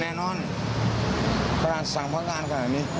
แน่นอนพระราชสั่งพระราชขนาดนี้